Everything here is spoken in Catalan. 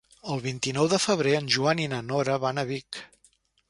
El vint-i-nou de febrer en Joan i na Nora van a Vic.